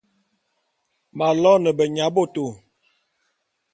Me loene benyabôtô.